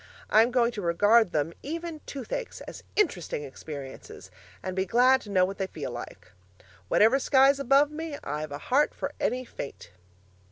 I'm going to regard them (even toothaches) as interesting experiences, and be glad to know what they feel like. 'Whatever sky's above me, I've a heart for any fate.'